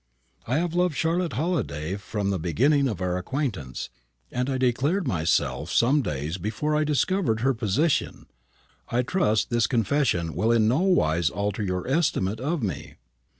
"I have loved Charlotte Halliday from the beginning of our acquaintance, and I declared myself some days before I discovered her position. I trust this confession will in nowise alter your estimate of me."